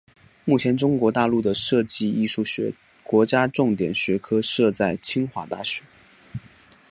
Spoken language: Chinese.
目前中国大陆的设计艺术学国家重点学科设在清华大学。